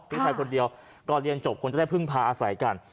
พี่ชายคนเดียวก็เรียนจบควรจะได้พึ่งพาอาศัยกัน